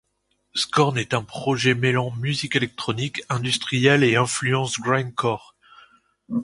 Scorn est un projet mêlant musique électronique, industrielle et influences grindcore.